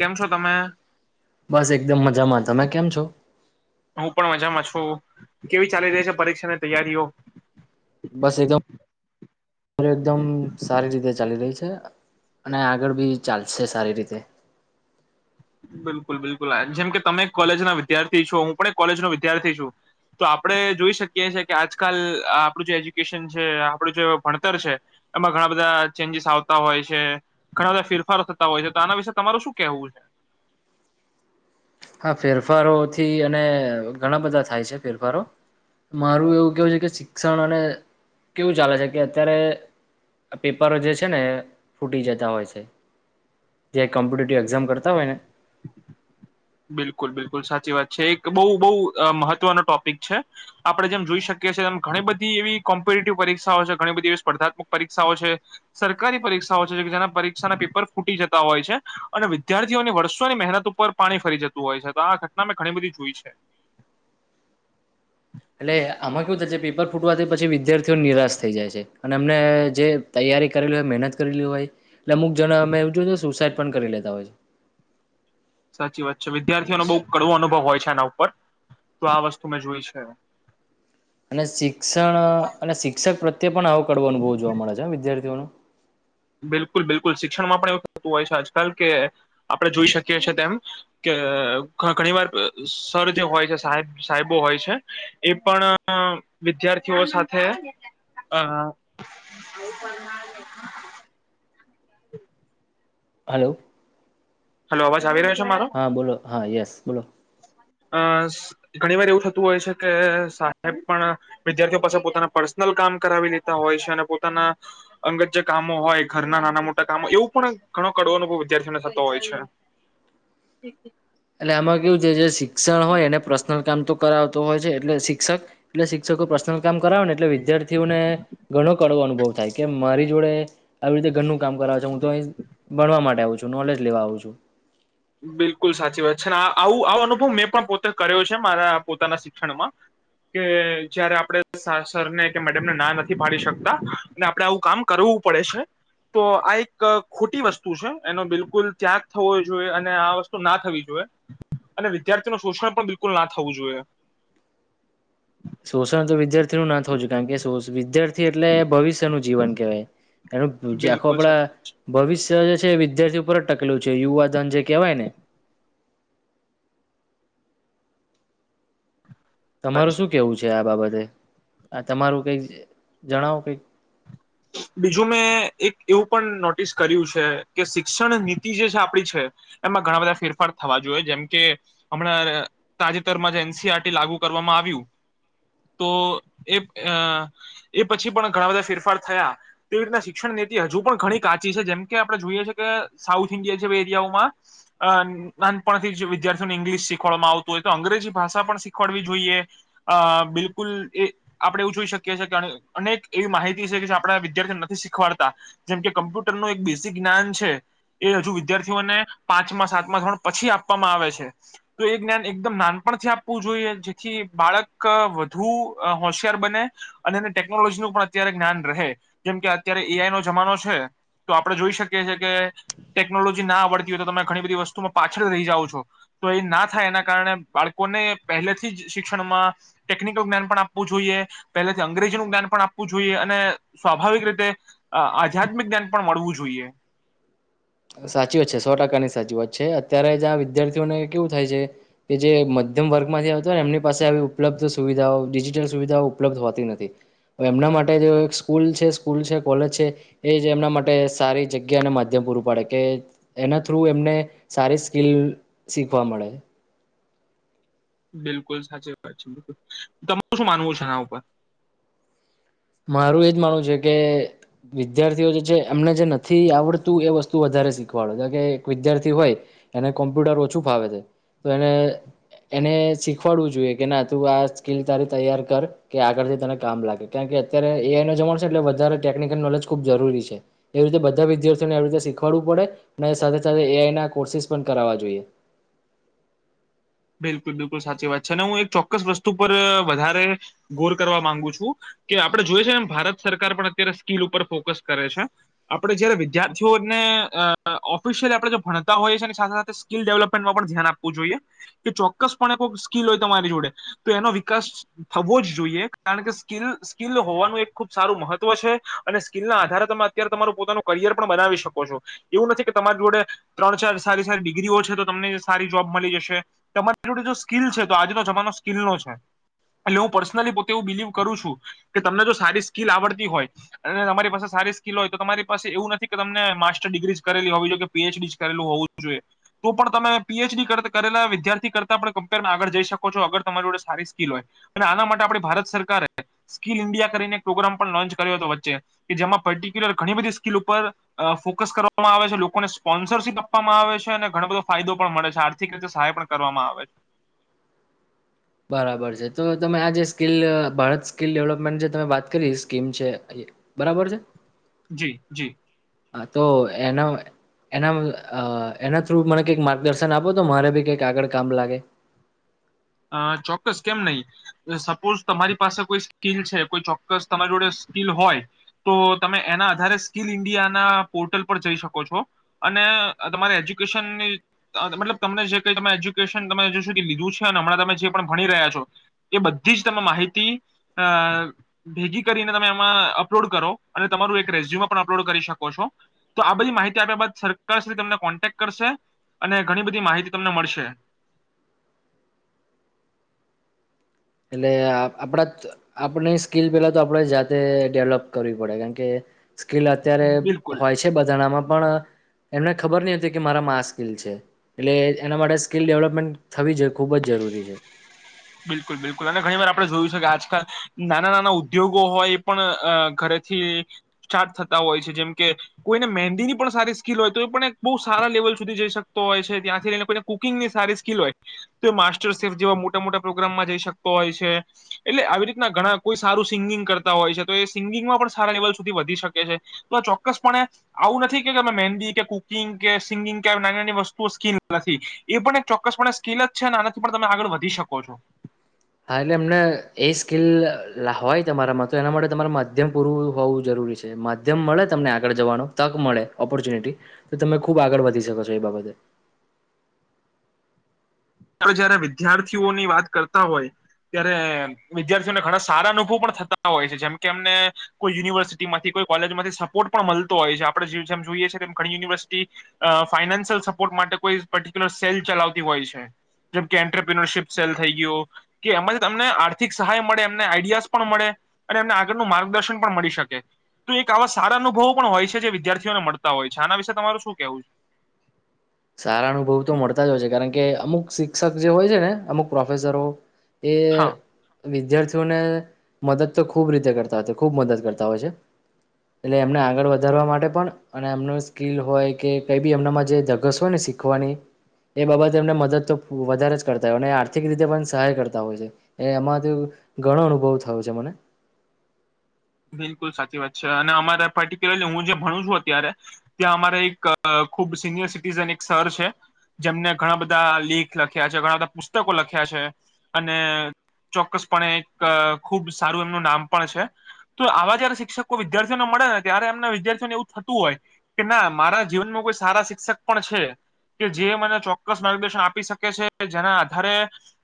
કેમ છો તમે બસ એકદમ મજામાં તમે કેમ છો હું પણ મજામાં છું કેવી ચાલી રહી છે પરીક્ષાની તૈયારીઓ બસ એકદમ એકદમ સારી રીતે ચાલી રહી છે અને આગળ બી ચાલશે સારી રીતે બિલકુલ બિલકુલ જેમકે તમે કોલેજ ના વિદ્યાર્થી છો હું પણ એક કોલેજનો વિદ્યાર્થી છું તો આપડણે જોઈ શકીએીએ કે આજકાલ આપણું જે એજ્યુકેશન છે આપણું જે ભણતર છે એમાં ઘણા બધા ચેન્જીસ આવતા હોય છે ઘણા બધા ફેરફાર થતા હોય છે તો આના વિશે તમારું શું કેહેવું છે હા ફેરફારોથી અને ઘણા બધા થાય છે ફેરફારો મારું એવું કેવું છે કે શિક્ષણ અને કેવું ચાલે છે કે અત્યારે પેપરો જે છે ને ફૂટી જતા હોય છે જે કોમ્પિટેટિવ એક્ઝામ કરતા હોય ને બિલકુલ બિલકુલ સાચી વાત છે એક બહુ બહ મહત્વનો ટોપિક છે આપડણે જેમ જોઈ શકીએ છીએ એમ ઘણી બધી એવી કોમ્પિટેટિવ પરીક્ષાઓ છે ઘણી બધી એવી સ્પર્ધાત્મક પરીક્ષાઓ છે સરકારી પરીક્ષાઓ છે જેના પરીક્ષાના પેપર ફૂટી જતા હોય છે અને વિદ્યાર્થીઓની વર્ષોની મહેનત ઉપર પાણી ફરી જતું હોય છે તો આ ઘટના મેં ઘણી બધી જોઈ છે એટલે આમાં કેવું થાય પેપર ફૂટવાથી પછી વિદ્યાર્થીઓ નિરાશ થઈ જાય છે અને અમને જે તૈયારી કરેલી હોય મહેનત કરેલી હોય એ અમુક જણ અમે એવ જો સુસાઈટ પણ કરી લેતા હોય છે સાચી વાત છે વિદ્યાર્થીઓનો બહુ કડવો અનુભવ હોય છે આના ઉપર તો આ વસ્તુ મેં જોઈ છે અને શિક્ષણ અને શિક્ષક પ્રત્યે તે પણ હ આવું કડો અનુવ જોવા મળે છે વિદ્ય્થીઓો બિલકુલ બિલકુલ શિક્ષણમાં પણ એવું થતું હોય છે આજકાલ કે આપણે જોઈ શકીએ છે તેમ કે ઘણી વાર સર જે હોય છે સાહેબ સાહેબો હોય છે એ પણ વિદ્યાર્થીઓ સાથે અ હ હલો હલો આવાજ હા બોલો, હા યસ બોલો. અ ઘણી વાર એવું થતું હોય છે કે સાહેબ પણ વિદ્યાર્થીઓ પાસે પોતાના પર્સનલ કામ કરાવી લેતા હોય છે અને પોતાના અંગત જે કામો હોય ઘરના નાના મોટા કામો એવું પણ ઘણો કડવો અનુભવ વિદ્યાર્થીઓને થતો હોય છે. અચ્છા. એટલે આમાં કેવું છે જે શિક્ષણ હોય એને પર્સનલ કામ તો? કરાવતો હોય છે એટલે શિક્ષક, એટલે શિક્ષકો પર્સનલ કામ કરાવેને એટલે વિદ્યાર્થીઓને ઘણો કડવો અનુભવ થાય કે મારી જોડે આવી રીતે ઘણું કામ કરાવે છે. તો ભણવા માટે આવું છું? જો નોલેજ લેવા આવું છું. બિલકુલ સાચી વાત છે ને, આવું આવો અનુભવ મેં પણ પોતે કર્યો છે મારા પોતાના શિક્ષણમાં કે જયારે આપણે સરને કે મેડમને ના નથી પાડી શકતા અને આપણે આવું કામ કરવું પડે છે, તો આ એક ખોટી વસ્તુ છે એનો બિલકુલ ત્યાગ થવો જોઈએ. આ વસ્તુ ના થવી જોઈએ અને વિદ્યાર્થી નુ શોષણ પણ બિલકુલ ના થવું જોઈએ. શોષણ તો વિદ્યાર્થીઓ નુ ના થવું જોઈએ કારણ કે વિદ્યાર્થી એટલે ભવિષ્ય ન જીવન કહેવાય, એનું જે આખું બિલકુલ આપણા સાચી વાત ભવિષ્ય જે છે વિદ્યાર્થી ઉપર જ ટકેલું છે, યુવાધન જે કહેવાય ને. તમારે છે શું કેવું છે? બાબતે આ તમારું કઈ જણાવો, કંઈક. બીજું મેં એક એવું પણ નોટિસ કર્યું છે કે શિક્ષણ નીતિ જે આપડી છે એમાં ઘણા બધા ફેરફાર થવા જોઈએ, જેમ કે હમણાં તાજેતરમાં જે એનસીઆરટી લાગુ કરવામાં આવ્યું તો એ એ પછી પણ ઘણા બધા ફેરફાર. થયા તેવી રીતના શિક્ષણ નીતિ હજુ પણ ઘણી કાચી છે, જેમ કે આપણે જોઈએ છે કે સાઉથ ઇન્ડિયા જેવી એરિયાઓમાં અ નાનપણથી જ વિદ્યાર્થીઓને ઇંગ્લિશ શીખવાડવામાં આવતું હોય તો અંગ્રેજી ભાષા પણ શીખવાડવી જોઈએ અ બિલકુલ એ આપણે એવું જોઈ શકીએ છેએ કે અનેક એવી માહિતી. આપ વિદ્યાર્થીઓને નથી શીખવાડતા, જેમ કે કમ્પ્યુટરનું એક બેસિક જ્ઞાન છે, એ હજુ વિદ્યાર્થીઓને પાંચમાં, સાતમા ધોરણ પછી આપવામાં આવે છે, તો એ જ્ઞાન એકદમ નાનપણથી આપવું જોઈએ જેથી બાળક વધુ હોશિયાર બને અને એને ટેકનોલોજી નું પણ અત્યારે જ્ઞાન રહે, જેમ કે અત્યારે એઆઈ નો જમાનો છે, તો આપડણે જોઈ શકીએ છીએ કે ટેકનોલોજી ના આવડતી હોય તો તમે ઘણી બધી વસ્તુમાં પાછળ રહી જાઓ છો, તો એ ના થાય એના કારણે બાળકોને પહેલેથી જ શિક્ષણમાં ટેકનિકલ જ્ઞાન પણ આપવું જોઈએ પહેલેથી અંગ્રેજીનું જ્ઞાન પણ આપવું આપવું જોઈએ અને સ્વાભાવિક રીતે આધ્યાત્મિક જ્ઞાન પણ મળવું જોઈએ. સાચી વાત છે, સો ટકાની સાચી વાત છે. અત્યારે જ આ વિદ્યાર્થીઓને કેવું થાય છે કે જે મધ્યમ વર્ગમાંથી આવતો હોય ને એમની પાસે આવી ઉપલબ્ધ સુવિધાઓ ડિજિટલ સુવિધાઓ ઉપલબ્ધ હોતી નથી. હવે એમના માટે જે એક સ્કૂલ છે, સ્કૂલ છે, કોલેજ છે, એ જ એમના માટે સારી જગ્યા અને માધ્યમ પૂરું પાડે. કે એના થ્રુ એમને સારી સ્કીિલ શીખવા મળે. બિલકુલ સાચી વાત છે. બિલકુલ તમારુ શું માનવું છે એના ઉપર? મારું એજ માનું છે કે વિદ્યાર્થીઓ જે એમને જે નથી આવડતું એ વસ્તુ વધારે શીખવાડો કે એક વિદ્યાર્થી હોય એને કોમ્પ્યુટર ઓછું ફાવે છે, તો એને એને શીખવાડવું જોઈએ કે ના તું આ સ્કીિલ તારી તૈયાર કર, કે આગળથી તને કામ લાગે. કારણ કે અત્યારે એઆઈ નો જમાણો, એટલે વધારે ટેકનિકલ નોલેજ ખૂબ જરૂરી છે. એવી રીતે બધા વિદ્યાર્થીઓને આવી રીતે શીખવાડવું પડે અને સાથે સાથે એઆઈ ના કોર્સિસ પણ કરાવવા જોઈએ. બિલકુલ બિલકુલ સાચી વાત છે, અને હું એક ચોક્કસ વસ્તુ પર વધારે ગોર કરવા માંગુ છું કે આપડે જોઈએ છે એમ ભારત સરકાર પણ અત્યારે સ્કીિલ ઉપર ફોકસ કરે છે. આપણે જયારે વિદ્યાર્થીઓને ઓફિશયલી આપણે જો ભણતા હોય છે, એની સાથે સાથે સ્કિલ ડેવલપમેન્ટમાં પણ ધ્યાન આપવું જોઈએ. કે ચોક્કસ, પણ સ્કીિલ હોય તમારી જોડે તો એનો વિકાસ થવો જ જોઈએ, કારણ કે સ્કીલ સ્કીિલ હોવાનું એક ખુબ સારું મહત્વ છે. અને સ્કીિલના આધારે તમે અત્યારે તમારું પોતાનું કરિયર પણ બનાવી શકો છો. એવું નથી કે તમારી જોડે ત્રણ-ચાર સારી સારી ડિગ્રીઓ છે તો તમને સારી જોબ મળી જશે. તમારી જોડે જો સ્કીલ છે, તો આજનો જમાનો સ્કિલ નો છે. એટલે હું પર્સનલી પોતે એવું બિલીવ કરું છું કે તમને જો સારી સ્કીિલ આવડતી હોય અને તમારી પાસે સારી સ્કીિલ હોય તો તમારી પાસે એવું નથી કે તમને માસ્ટર ડિગ્રી કરેલી હોવી જોઈએ, પીએચડી કરેલું હોવું જોઈએ, તો પણ તમે પીએચડી કરતા કરેલા વિદ્યાર્થી. કરતા પણ કમ્પેરમાં આગળ જઈ શકો છો, અગર તમારી જોડે સારી સ્કીિલ હોય, અને આના માટે આપણી ભારત સરકારે સ્કીિલ ઇન્ડિયા કરીને એક પ્રોગ્રામ પણ લોન્ચ કર્યો હતો વચ્ચે કે જેમાં પર્ટિક્યુલર ઘણી બધી સ્કીિલ ઉપર ફોકસ કરવામાં આવે છે, લોકોને સ્પોન્સરશીપ આપવામાં આવે છે અને ઘણ બધો ફાયદો પણ મળે છે, આર્થિક રીતે સહાય પણ. કરવામાં આવે છે. બરાબર છે, તો તમે આ જે સ્કીલ ભારત સ્કીિલ ડેવલપમેન્ટ જે તમે વાત કરી સ્કીમ છે બરાબર છે. જી જી. હા તો એના એના એના થ્રુ મને કંઈક માર્ગદર્શન આપો તો મારે ભી કંઈક આગળ કામ લાગે. અ ચોક્કસ કેમ નહીં, સપોઝ તમારી પાસે કોઈ સ્કીિલ છે, કોઈ ચોક્કસ તમારી જોડે સ્કીિલ હોય તો તમે એના આધારે સ્કીિલ ઈન્ડિયાના પોર્ટલ પર જઈ શકો છો અને તમારે એજ્યુકેશનની મતલબ તમને જે કંઈ તમે એજ્યુકેશન તમે જો શીકી લીધું છે. હમણાં તમે જે પણ ભણી રહ્યા છો એ બધી જ તમે માહિતી અ ભેગી કરીને તમે એમાં અપલોડ કરો અને તમારું એક રેઝ્યુમ પણ અપલોડ કરી શકો છો તો આ બધી માહિતી આપ્યા બાદ સરકાર સુધી તમને કોન્ટેક કરશે અને ઘણી બધી માહિતી તમને મળશે. એટલે આપણા આપણે સ્કીલ પેલા તો આપણે જાતે ડેવલોપ કરવી પડે, કારણ કે સ્કીિલ અત્યારે બિલકુલ હોય છે બધા ના માં. પણ એમને ખબર નહીં હતી કે મારામાં આ સ્કીિલ છે, એટલે એના માટે સ્કીિલ ડેવલપમેન્ટ થવી જ ખૂબ જ જરૂરી છે. બિલકુલ, બિલકુલ, અને ઘણી વાર આપણે જોયું છે કે આજકાલ નાના-નાના ઉદ્યોગો હોય એ પણ ઘરેથી સ્ટાર્ટ થતા હોય છે. જેમ કે કોઈને મહેંદીની પણ સારી સ્કિલ હોય તો એ પણ બહુ સારા લેવલ સુધી જઈ શકતો હોય છે. ત્યાંથી લઈને કોઈને કુકિંગની સારી સ્કિલ હોય તો એ માસ્ટર શેફ જેવા મોટા મોટા પ્રોગ્રામમાં જઈ શકતો હોય છે. એટલે આવી રીતના ઘણા કોઈ સારું સિંગિંગ કરતા હોય છે, તો એ સિંગિંગમાં પણ સારા લેવલ સુધી વધી શકે છે. તો આ ચોક્કસપણે આવું નથી કેમે મહેંદી કે કુકિંગ કે સિંગિંગ કે નાની- નાની વસ્તુઓ સ્કીિલ નથી, એ પણ એક ચોક્કસપણે સ્કીિલ જ છે, ને આનાથી પણ તમે આગળ વધી શકો. કોનું. હા, એટલે એમને એ સ્કીિલ હોય તમારામાં તો એના માટે તમારે માધ્યમ પૂરું હોવું જરૂરી છે. માધ્યમ મળે તમને આગળ જવાનો તક મળે, ઓપોર્ચ્યુનિટી તો તમે ખુબ આગળ વધી શકો છો એ બાબતે જયારે વિદ્યાર્થીઓની વાત કરતા હોય ત્યારે વિદ્યાર્થીઓને ઘણા સારા અનુભવ પણ થતા હોય છે. જેમ કે એમને કોઈ યુનિવર્સિટી માંથી કોઈ કોલેજ માંથી સપોર્ટ પણ મળતો હોય છે. આપણે જેમ જોઈએ છે ઘણી યુનિવર્સિટી ફાઈનાન્શિયલ સપોર્ટ માટે કોઈ પર્ટિક્યુલર સેલ ચલાવતી હોય છે. જેમ કે એન્ટરપ્રિનરશીપ સેલ થઈ ગયો કે એમાંથી તમને આર્થિક સહાય મળે, એમને આઈડિયાસ પણ મળે અને એમને આગળનું માર્ગદર્શન પણ મળી શકે. તો એક આવા સારા અનુભવો પણ હોય છે જે વિદ્યાર્થીઓને મળતા હોય છે. આના વિશે તમારું શું કેવું છે? સારા અનુભવ તો મળતા જ હોય છે કારણ કે અમુક શિક્ષક જે હોય છે ને અમુક પ્રોફેસરો એ છે હા વિદ્યારથી મદદ તો ખૂબ રીતે કરતા હોય ખૂબ મદદ કરતા હોય છે એટલે એમને આગળ વધારવા માટે પણ અને એમનું સ્કીલ હોય કે કઈ બી એમનામાં જે ઘસો ને શીખવાની એ બાબતે એમને મદદ તો વધારે જ કરતા હોય આર્થિક રીતે પણ સહાય કરતા હોય છે એમાંથી ઘણો અનુભવ થયો છે મને બિલકુલ સાચી વાત છે અને અમારે પર્ટિક્યુલરલી હું જે ભણું છું અત્યારે ત્યાં અમારે એક ખુબ સિનિયર સિટીઝન એક સર છે જેમને ઘણા બધા લીખ લખ્યા છે ઘણા બધા પુસ્તકો લખ્યા છે અને ચોક્કસપણે એક ખુબ સારું એમનું નામ પણ છે તો આવા જયારે શિક્ષકો વિદ્યાર્થીઓને મળે ને ત્યારે એમના વિદ્યાર્થીઓને એવું થતું હોય કે ના મારા જીવનમાં કોઈ સારા શિક્ષક પણ છે કે જે મને ચોક્કસ માર્ગદર્શન આપી શકે છે જેના આધારે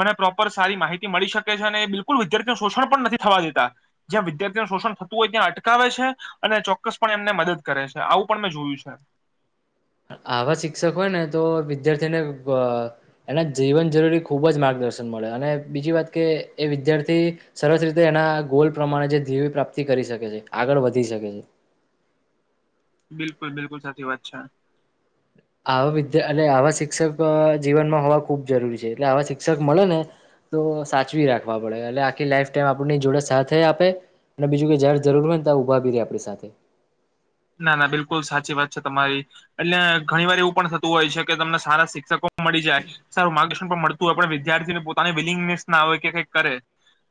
મને પ્રોપર સારી માહિતી મળી શકે છે અને બિલકુલ વિદ્યાર્થીઓ શોષણ પણ નથી થવા દેતા જ્યાં વિાર શોષણ થતું હોય ત્યાં અટકાવે છે અને ચોક્કસ પણ એમને મદદ કરે છે આવું પણ મેં જોયું છે આવા શિક્ષક હોયને તો વિદ્યાર્થીને એના જીવન જરૂરી ખૂબ જ માર્ગદર્શન મળે અને બીજી વાત કે એ વિદ્યાર્થી સરસ રીતે એના ગોલ પ્રમાણે જે ધીવી પ્રાપ્તિ કરી શકે છે આગળ વધી શકે છે બિલકુલ બિલકુલ સાચી વાત છે આવા વિદ્યા એટ આવા શિક્ષક જીવનમાં હોવા ખૂબ જરૂરી છે એટલે આવા શિક્ષક મળે ને તો સાચવી રાખવા પડે એટલે આખી લાઈફ ટાઈમ આપ જોડે સાથે આપે અને બીજું કે જયારે જરૂર હોય ને તં ઉભા બી રે આપણી સાથે ના ના બિલકુલ સાચી વાત છે તમારી એટલે ઘણી વાર એવું પણ થતું હોય છે કે તમને સારા શિક્ષકો મળી જાય સારું માર્ગર્શન પણ મળતું હોય પણ વિદ્યાર્થી પોતાની વિલિંગનેસ ના હો કે કઈક કરે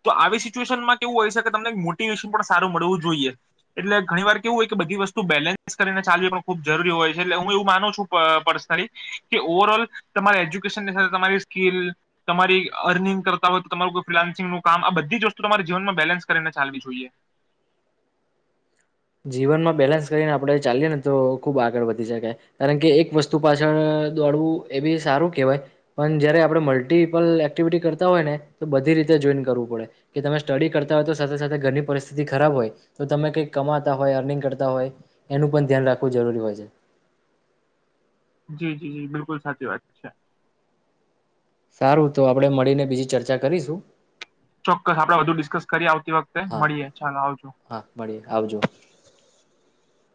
તો આવી સિચ્યુએશન માં કેવું હોય છે કે તમને મોટિવેશન પણ સારું મળવું જોઈએ એટલે ઘણી વાર કેવું હોય કે બધી વસ્તુ બેન્સ કરીને ચાલવી પણ ખૂબ જરૂરી હોય છે એટલે હું એવું માનું છું પર્સનલી કે ઓવર ઓલ તમારી એજ્યુકેશનની સાથે તમારી સ્કીલ તમારી અર્નિંગ કરતા હોય તો તમારું ફિલાન્સિંગનું કામ આ બધી જ વસ્તુ તમારી જીવનમાં બેલેન્સ કરીને ચાલવી જોઈએ જીવનમાં બેલેન્સ કરીને આપડણે ચાએ ને તો ખૂબ આગળ વધી શકાય કારણ કે એક વસ્તુ પાછળ દોડવું એ બી સારું કહેવાય પણ જયારે આપણે મલ્ટિપલ એક્ટિવિટી કરતા હોય ને તો બધી રીતે જોઈન કરવું પડે કે તમે સ્ટડી કરતા હોય તો સાથે સાથે ઘરની પરિસ્થિતિ ખરાબ હોય તો તમે કઈક કમાતા હોય અર્નિંગ કરતા હોય એનું પણ ધ્યાન રાખવું જરૂરી હોય છે જી જી જી બિલકુલ સાચી વાત છે સારું તો આપણે મળીને બીજી ચર્ચા કરીશું ચોક્કસ આપડે વધુ ડિસ્કસ કરીએ આવતી વખતે હા મળીએ ચાલો આવજો હા મળીએ આવજો.